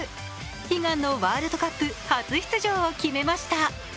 悲願のワールドカップ初出場を決めました。